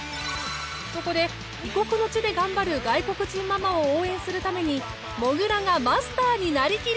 そこで異国の地で頑張る外国人ママを応援するためにもぐらがマスターになりきり